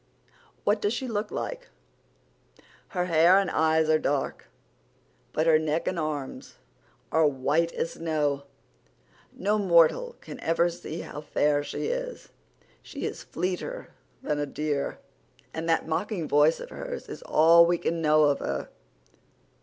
"What does she look like?" "Her hair and eyes are dark, but her neck and arms are white as snow. No mortal can ever see how fair she is. She is fleeter than a deer, and that mocking voice of hers is all we can know of her.